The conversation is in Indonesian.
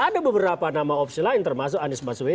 ada beberapa nama opsi lain termasuk anies baswedan